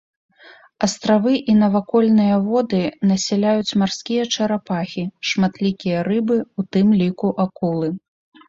Астравы і навакольныя воды насяляюць марскія чарапахі, шматлікія рыбы, у тым ліку акулы.